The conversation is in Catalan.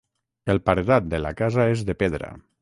El paredat de la casa és de pedra.